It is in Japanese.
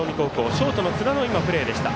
ショートの津田のプレーでした。